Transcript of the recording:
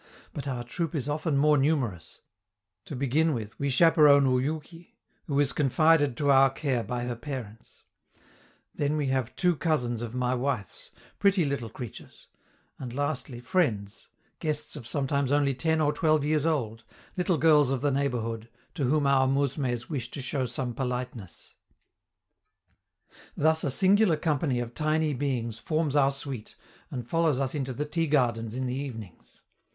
But our troop is often more numerous: to begin with, we chaperon Oyouki, who is confided to our care by her parents; then we have two cousins of my wife's pretty little creatures; and lastly friends guests of sometimes only ten or twelve years old, little girls of the neighborhood to whom our mousmes wish to show some politeness. Thus a singular company of tiny beings forms our suite and follows us into the tea gardens in the evenings!